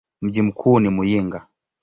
Mji mkuu ni Muyinga.